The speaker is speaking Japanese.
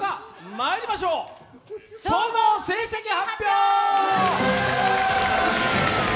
まいりましょう、総合成績発表！